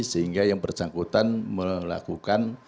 sehingga yang bersangkutan melakukan